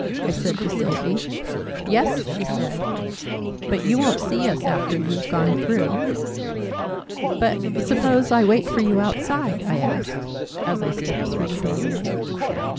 I said to Sylvie. "Yes," she said: "but you won't see us after you've gone through." "But suppose I wait for you outside?" I asked, as I stepped through the doorway.